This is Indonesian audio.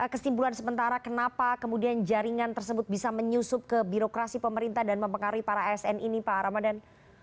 kesimpulan sementara kenapa kemudian jaringan tersebut bisa menyusup ke birokrasi pemerintah dan mempengaruhi para asn ini pak ramadan